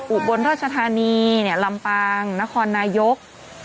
อุบลราชธานีลำปางนครนายก